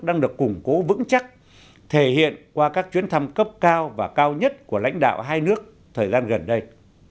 đang được củng cố vững chắc thể hiện qua các chuyến thăm cấp cao và cao nhất của lãnh đạo hai nước thời gian gần đây